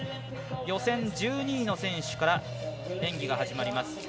予選１２位の選手から演技が始まります。